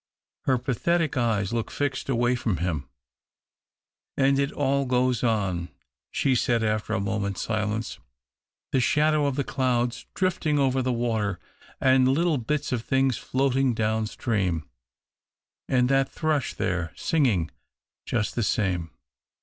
Her pathetic eyes looked fixed away from him. " And it all goes on," she said after a moment's silence, " the shadow of the clouds drifting over the water, and little bits of things floating down stream, and that thrush there singing — ^just the same.